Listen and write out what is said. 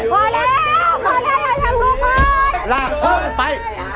พอแล้วขอแล้วอย่างลูกมัน